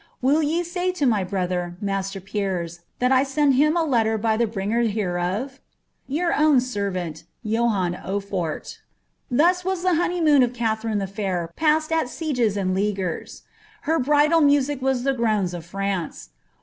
Will ye say to my brother, Maister Piers, that I send him a letter by the ftnnger hereof! *< Your own Servant, "JoBAir Ofort." Thus was the honeymoon of Katherine the Fair passed at sieges and leaguers ; her bridal music was the §rroans of France.